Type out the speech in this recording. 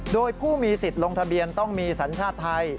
โดยผู้มีสิทธิ์ลงทะเบียนต้องมีสัญชาติไทย